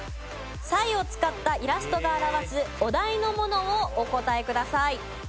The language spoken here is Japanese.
サイを使ったイラストが表すお題のものをお答えください。